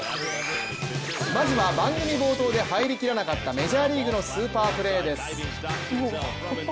まずは番組冒頭で入りきらなかったメジャーリーグのスーパープレーです。